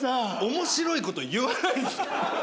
面白いこと言わないんすよ。